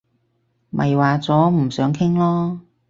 咪話咗唔想傾囉